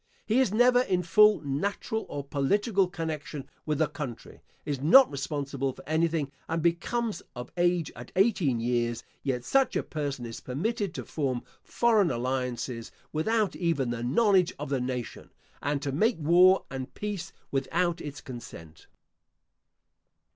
He is never in full natural or political connection with the country, is not responsible for anything, and becomes of age at eighteen years; yet such a person is permitted to form foreign alliances, without even the knowledge of the nation, and to make war and peace without its consent.